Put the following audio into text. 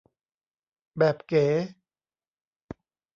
แบบเก๋